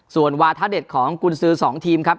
ส่วนวาทะเด็ดของกุญสือ๒ทีมครับ